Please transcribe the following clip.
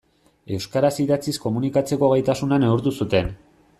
Euskaraz idatziz komunikatzeko gaitasuna neurtu zuten.